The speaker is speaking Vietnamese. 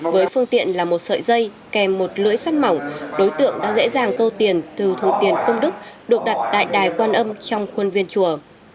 với phương tiện là một sợi dây kèm một lưỡi sắt mỏng đối tượng đã dễ dàng câu tiền từ thủ tiền công đức được đặt tại đài quan âm trong khuôn viên chùa